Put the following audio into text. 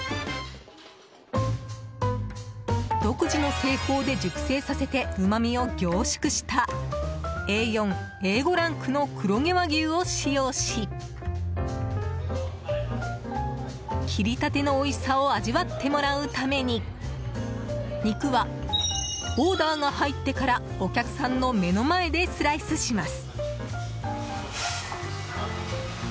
独自の製法で熟成させてうまみを凝縮したＡ４・Ａ５ランクの黒毛和牛を使用し切りたてのおいしさを味わってもらうために肉はオーダーが入ってからお客さんの目の前でスライスします。